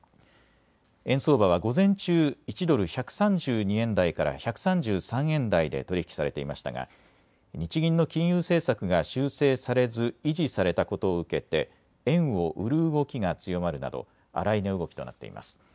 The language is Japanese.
円相場は午前中、１ドル１３２円台から１３３円台で取り引きされていましたが日銀の金融政策が修正されず維持されたことを受けて円を売る動きが強まるなど荒い値動きとなっています。